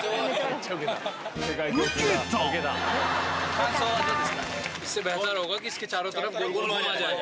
感想はどうですか？